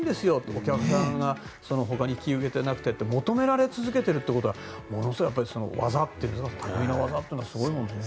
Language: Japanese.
お客さんがほかに引き受け手がなくてと求められ続けているのはものすごい技というかたくみの技というのはすごいものですね。